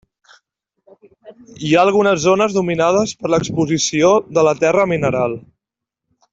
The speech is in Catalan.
Hi ha algunes zones dominades per l'exposició de la terra mineral.